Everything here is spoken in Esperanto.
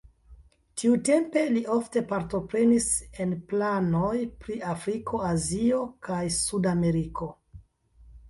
Tiutempe li ofte partoprenis en planoj pri Afriko, Azio kaj Sud-Ameriko.